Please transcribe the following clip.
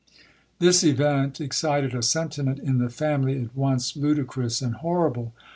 'This event excited a sentiment in the family at once ludicrous and horrible.